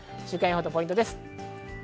週間予報とポイントです。